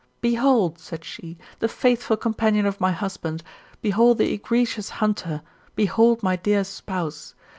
* Behold,' said she, ' the faithful companion of my husband, behold the egregious hunter, behold my dear spouse.